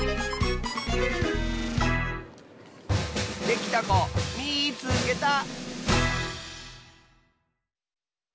できたこみいつけた！